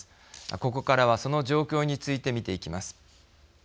ここからはその状況について見ていきます。